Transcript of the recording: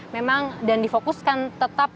memang dan difokuskan tetap